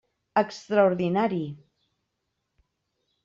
Extraordinari!